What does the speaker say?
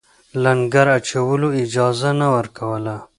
لنګر اچولو اجازه نه ورکوله.